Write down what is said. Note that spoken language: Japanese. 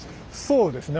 そうですね。